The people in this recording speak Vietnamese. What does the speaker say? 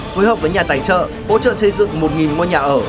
hối hợp với nhà tài trợ hỗ trợ xây dựng một ngôi nhà ở